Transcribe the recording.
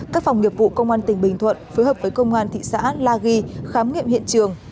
các phòng nghiệp vụ công an tỉnh bình thuận phối hợp với công an thị xã la ghi khám nghiệm hiện trường